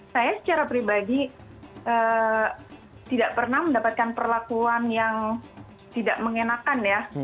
saya secara pribadi tidak pernah mendapatkan perlakuan yang tidak mengenakan ya